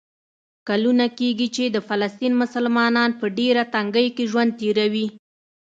کلونه کېږي چې د فلسطین مسلمانان په ډېره تنګۍ کې ژوند تېروي.